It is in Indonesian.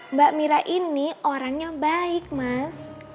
mbak mira ini orangnya baik mas